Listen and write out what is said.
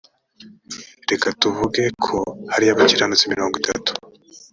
reka tuvuge ko hariyo abakiranutsi mirongo itatu